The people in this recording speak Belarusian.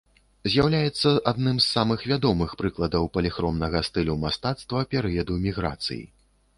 З'яўляецца адным самых вядомых прыкладаў паліхромнага стылю мастацтва перыяду міграцый.